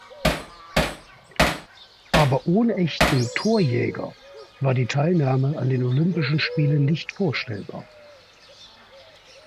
Aber ohne echten Torjäger war die Teilnahme an den Olympischen Spielen nicht vorstellbar.